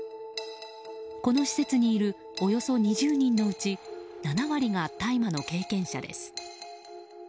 この施設にいるおよそ２０人のうち７割が大麻の経験者です。